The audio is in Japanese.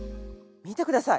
見てください。